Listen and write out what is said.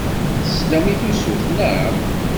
Teslam i tusut, naɣ?